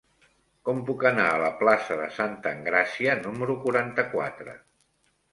Com puc anar a la plaça de Santa Engràcia número quaranta-quatre?